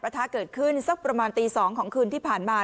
ประทะเกิดขึ้นสักประมาณสองขอวานของคืนที่ผ่านมา